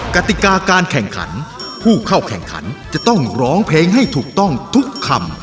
กติกาการแข่งขันผู้เข้าแข่งขันจะต้องร้องเพลงให้ถูกต้องทุกคำ